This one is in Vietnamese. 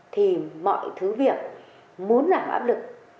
thì mọi thứ việc muốn giảm áp lực